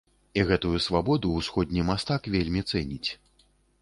І гэтую свабоду ўсходні мастак вельмі цэніць.